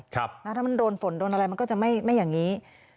ถ้ามันโดนฝนโดนอะไรมันก็จะไม่อย่างนี้